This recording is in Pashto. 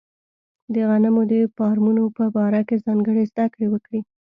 د غنمو د فارمونو په باره کې ځانګړې زده کړې وکړي.